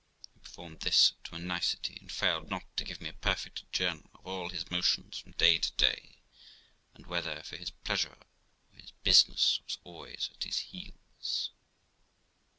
He performed this to a nicety, and failed not to give me a perfect journal of all his motions from day to day, and, whether for his pleasure or his business, was always at his heels.